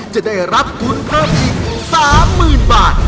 จะได้รับทุนเพิ่มอีก๓๐๐๐บาท